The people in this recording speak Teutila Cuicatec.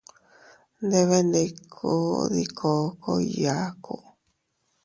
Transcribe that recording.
Nndebenndikun dii kookoy yaaku.